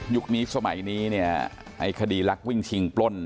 นี้สมัยนี้เนี่ยไอ้คดีลักวิ่งชิงปล้น